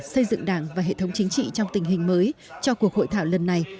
xây dựng đảng và hệ thống chính trị trong tình hình mới cho cuộc hội thảo lần này